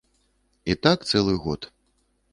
І так цэлы год.